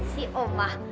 si om lah